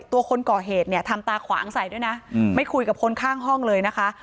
ตัวคนก่อเหตุเนี่ยทำตาขวางใส่ด้วยนะไม่คุยกับคนข้างห้องเลยนะคะ